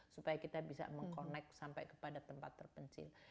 supaya kita bisa meng connect sampai kepada tempat terpencil